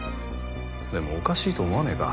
でもおかしいと思わねえか？